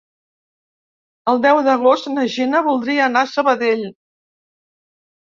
El deu d'agost na Gina voldria anar a Sabadell.